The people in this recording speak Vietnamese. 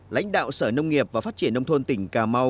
lãnh đạo sở nông nghiệp và phát triển nông thôn tỉnh cà mau